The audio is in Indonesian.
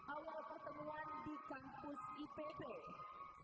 awal pertemuan di kampus ipb